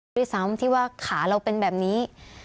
ด้วยซ้ำที่ว่าขาเราเป็นแบบนี้